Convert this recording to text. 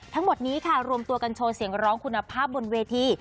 ทั้งหมดนี้ค่ะรวมตัวกันโชว์เสียงร้องคุณภาพบนเวที